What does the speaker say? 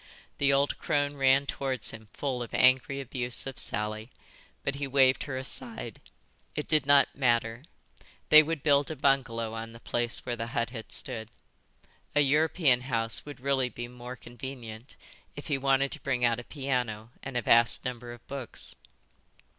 The old crone ran towards him full of angry abuse of Sally, but he waved her aside; it did not matter; they would build a bungalow on the place where the hut had stood. A European house would really be more convenient if he wanted to bring out a piano and a vast number of books.